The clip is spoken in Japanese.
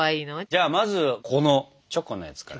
じゃあまずこのチョコのやつから。